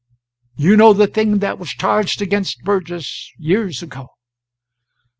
You know the thing that was charged against Burgess years ago.